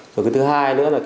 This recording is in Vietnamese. rồi thứ hai nữa là